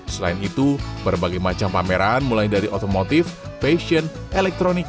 selain itu berbagai macam pameran mulai dari otomotif fashion elektronik